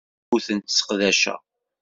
Ur tent-sseqdaceɣ.